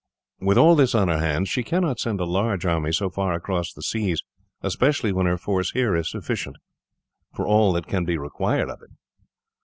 With all this on her hands, she cannot send a large army so far across the seas, especially when her force here is sufficient for all that can be required of it."